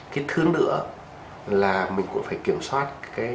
cái thứ nữa là mình cũng phải kiểm soát